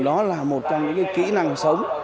đó là một trong những kỹ năng sâu sắc